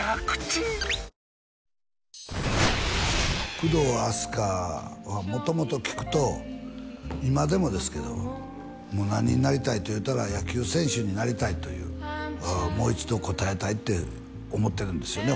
工藤阿須加はもともと聞くと今でもですけど何になりたいと言うたら野球選手になりたいというもう一度答えたいって思ってるんですよね